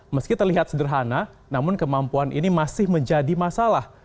meski terlihat sederhana namun kemampuan ini masih menjadi masalah